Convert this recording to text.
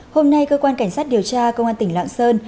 hôm nay cơ quan cảnh sát điều tra công an tỉnh lạng sơn